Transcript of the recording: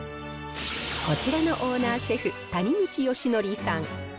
こちらのオーナーシェフ、谷口佳典さん。